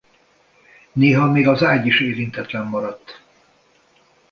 Néha még az ágy is érintetlen maradt!